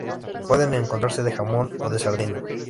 Pueden encontrarse de jamón o de sardina.